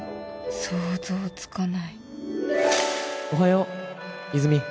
想像つかないおはよう泉